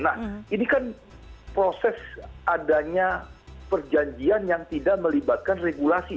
nah ini kan proses adanya perjanjian yang tidak melibatkan regulasi